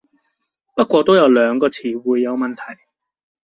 不過都有兩個詞彙有問題